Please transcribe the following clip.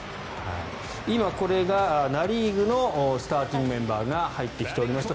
今、これがナ・リーグのスターティングメンバーが入ってきておりまして